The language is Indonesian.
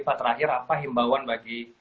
pak terakhir apa himbauan bagi